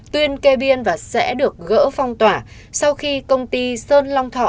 tuyên kê biên và sẽ được gỡ phong tỏa sau khi công ty sơn long thọ